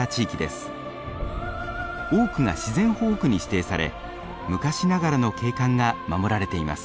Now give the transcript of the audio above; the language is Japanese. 多くが自然保護区に指定され昔ながらの景観が守られています。